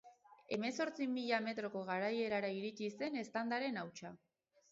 Hemezortzi mila metroko garaierara iritsi zen eztandaren hautsa.